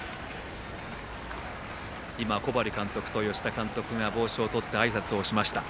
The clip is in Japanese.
今、小針監督と吉田監督が帽子を取ってあいさつをしました。